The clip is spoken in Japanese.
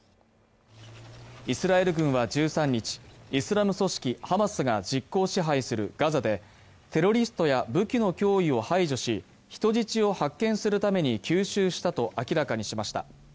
イスラエル軍は１３日、イスラム組織ハマスが実効支配するガザでテロリストや武器の脅威を排除し人質を発見するために、急襲したと明らかにしました。